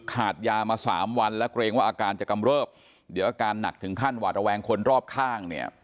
ขาดยามาสามวันและเกรงว่าอาการจะกำเริบเดี๋ยวอาการหนักถึงขั้นหวาดระแวงคนรอบข้างเนี่ย